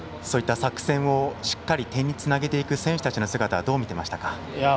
そういった作戦をしっかり点につなげていく選手たちの姿どう見ていましたか？